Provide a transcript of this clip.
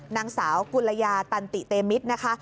นางสาวกุลยาตันติเตมิตรนะคะ